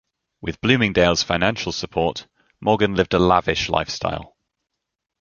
With Bloomingdale's financial support, Morgan lived a lavish lifestyle.